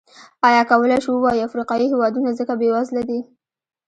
ایا کولای شو ووایو افریقايي هېوادونه ځکه بېوزله دي.